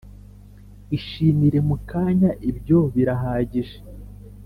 ishimire mu kanya, ibyo birahagije.